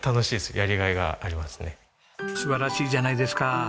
素晴らしいじゃないですか。